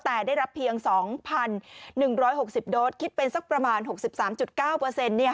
แต่ได้รับเพียง๒๑๖๐โดสคิดเป็นสักประมาณ๖๓๙เปอร์เซ็นต์